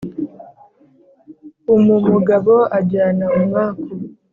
umumugabo ajyana umwaku